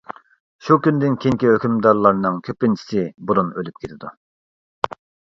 شۇ كۈندىن كېيىنكى ھۆكۈمدارلارنىڭ كۆپىنچىسى بۇرۇن ئۆلۈپ كېتىدۇ.